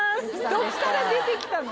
どっから出てきたの？